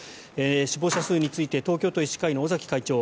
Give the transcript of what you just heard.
死亡者数について東京都医師会の尾崎会長